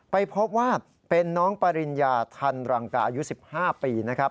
ไปพบว่าเป็นน้องปริญญาทันรังกาอายุ๑๕ปีนะครับ